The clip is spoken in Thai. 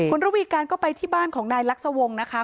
คุณระวีการก็ไปที่บ้านของนายลักษวงศ์นะคะ